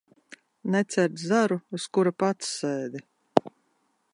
Necērt zaru, uz kura pats sēdi.